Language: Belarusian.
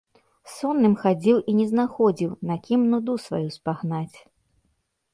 Сонным хадзіў і не знаходзіў, на кім нуду сваю спагнаць.